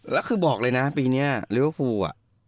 แล้วคือบอกเลยนะปีเนี้ยเรเวอร์ฟูอ่ะ